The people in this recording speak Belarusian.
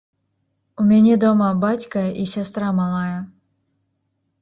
У мяне дома бацька і сястра малая.